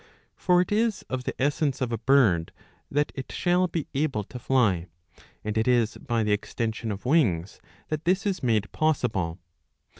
For it is of the essence of a bird that it shall be able to fly ; and it is by the extension of wings that this is made possible.